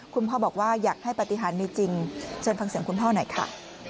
คุณพ่อบอกว่าอยากให้ปฏิหารมีจริงเชิญฟังเสียงคุณพ่อหน่อยค่ะ